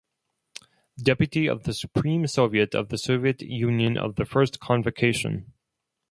Deputy of the Supreme Soviet of the Soviet Union of the First Convocation.